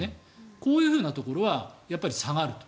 こういうところはやっぱり下がると。